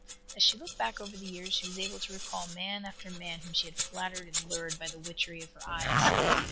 As she looked back over the years she was able to recall man after man whom she had flattered and lured by the witchery of her eyes.